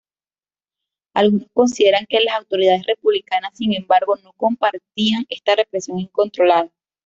Algunos consideran que las autoridades republicanas, sin embargo, no compartían esta represión incontrolada.